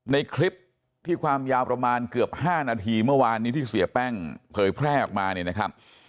ในคลิปที่ความยาวประมาณเกือบ๕นาทีเมื่อวานนี้ที่เสียแป้งเผยแพร่ออกมาเนี่ยนะครับ